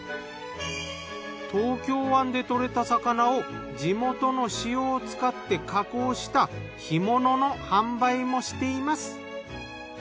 東京湾で獲れた魚を地元の塩を使って加工した干物の販売もしています。